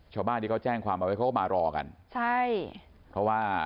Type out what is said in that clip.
ชาวบ้านที่เขาแจ้งความเอาไว้เขาก็มารอกันใช่เพราะว่า